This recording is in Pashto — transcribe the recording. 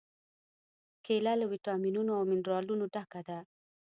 کېله له واټامینونو او منرالونو ډکه ده.